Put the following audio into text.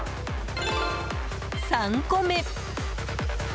３個目。